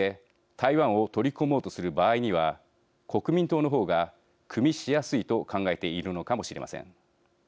台湾を取り込もうとする場合には国民党の方がくみしやすいと考えているのかもしれません。